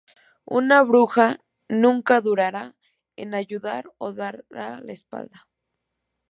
Una bruja nunca dudará en ayudar o dará la espalda.